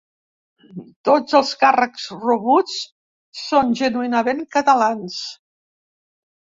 Tots els càrrecs rebuts són genuïnament catalans.